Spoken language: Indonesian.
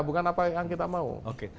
bukan apa yang kita mau